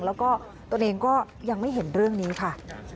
แล้วก็ตัวเองก็ยังไม่เห็นเรื่องนี้ค่ะ